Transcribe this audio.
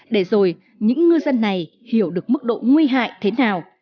để rồi những ngư dân này hiểu được mức độ nguy hại thế nào